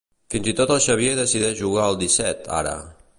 Fins i tot el Xavier decideix jugar al disset, ara.